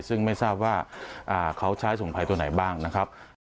ซึ่งไม่ทราบว่าเขาใช้สมุนไพรตัวไหนบ้างนะครับ